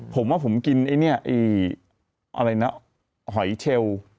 ผมว่าผมกินไอ้เนี่ยอะไรนะหอยเชล